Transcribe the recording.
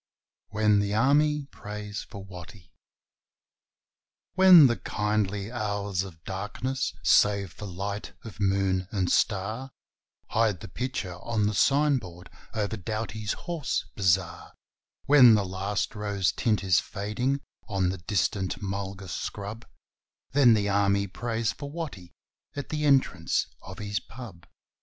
When the 'Army' Prays for Watty When the kindly hours of darkness, save for light of moon and star, Hide the picture on the signboard over Doughty's Horse Bazaar; When the last rose tint is fading on the distant mulga scrub, Then the Army prays for Watty at the entrance of his pub.